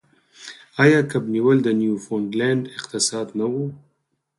آیا کب نیول د نیوفونډلینډ اقتصاد نه و؟